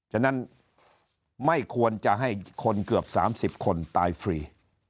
ฉะนั้นไม่ควรจะให้คนเกือบ๓๐คนตายฟรี